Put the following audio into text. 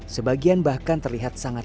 sebagian bahkan terlihat sangat